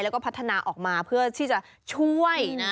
แล้วก็พัฒนาออกมาเพื่อที่จะช่วยนะ